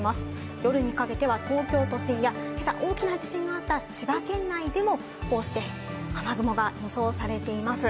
夜にかけては東京都心や今朝大きな地震があった千葉県内でも雨雲が予想されています。